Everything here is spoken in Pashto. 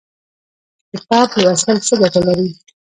کتاب لوستل څه ګټه لري؟